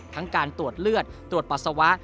การตรวจเลือดตรวจปัสสาวะ